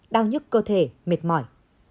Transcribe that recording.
đau nhức cơ thể mệt mỏi